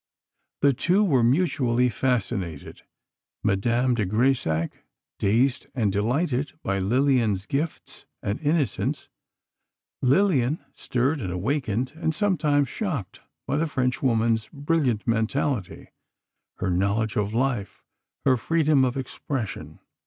The two were mutually fascinated: Madame de Grésac, dazed and delighted by Lillian's gifts and innocence; Lillian, stirred and awakened, and sometimes shocked, by the French woman's brilliant mentality, her knowledge of life, her freedom of expression.